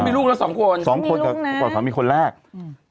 อ๋อมีลูกแล้วสองคนสองคนกับมีลูกนะบอกว่ามีคนแรกอืม